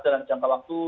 dalam jangka waktu